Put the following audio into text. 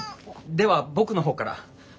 では僕の方から。